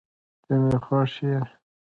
ته مي خوښ یې